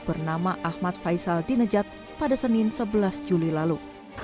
bernama ahmad faisal dinejat pada senin sebelas juli lalu